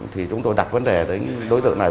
thì chúng tôi đặt vấn đề đến đối tượng này